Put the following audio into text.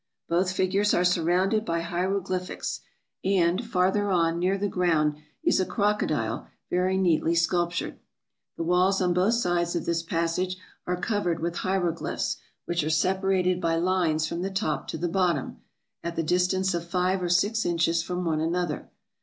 Both figures are surrounded by hiero glyphics; and, farther on, near the ground, is a crocodile very neatly sculptured. The walls on both sides of this passage are covered with hieroglyphics, which are separated by lines from the top to the bottom, at the distance of five or six inches from one another.